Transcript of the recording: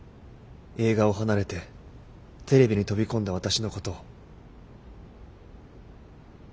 映画を離れてテレビに飛び込んだ私のことを。